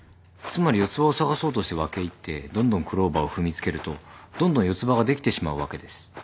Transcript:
つまり四つ葉を探そうとして分け入ってどんどんクローバーを踏みつけるとどんどん四つ葉ができてしまうわけです。